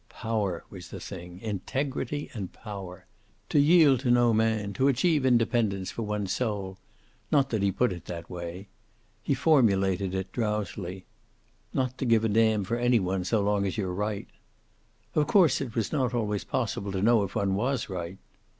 Power was the thing, integrity and power. To yield to no man, to achieve independence for one's soul not that he put it that way. He formulated it, drowsily: 'Not to give a damn for any one, so long as you're right.' Of course, it was not always possible to know if one was right.